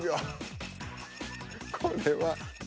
これは。